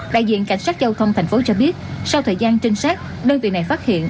đại diện cảnh sát giao thông tp hcm cho biết sau thời gian trinh sát đơn vị này phát hiện